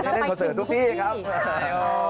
เล่นคอนเสิร์ตทุกที่ครับ